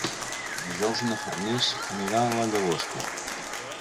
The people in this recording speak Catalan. Dijous na Farners anirà a la Llagosta.